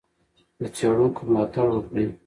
د څېړونکو ملاتړ وکړئ.